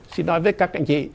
xin nói với các anh chị